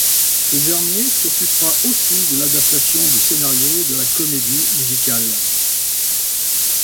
Ce dernier s'occupera aussi de l'adaptation du scénario de la comédie musicale.